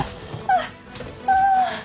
あっあっ。